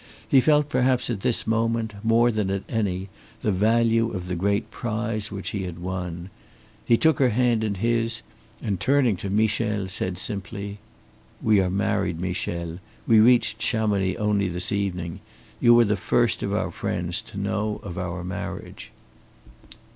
He felt perhaps at this moment, more than at any, the value of the great prize which he had won. He took her hand in his, and, turning to Michel, said simply: "We are married, Michel. We reached Chamonix only this evening. You are the first of our friends to know of our marriage."